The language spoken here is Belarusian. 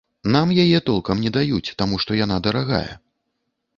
Нам яе толкам не даюць, таму што яна дарагая.